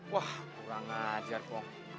wah kurang ajar pong